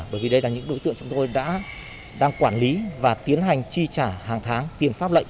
bởi vì đây là những đối tượng chúng tôi đã đang quản lý và tiến hành chi trả hàng tháng tiền pháp lệnh